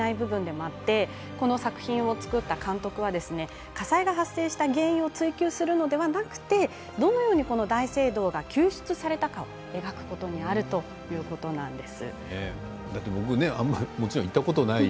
あまり報じられていない部分ではあってこの作品を作った監督は火災が発生した原因を追求するのではなくどのように大聖堂が救出されたかを描くことにあるということなんです。